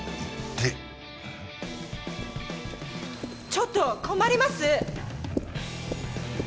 ・ちょっと困ります！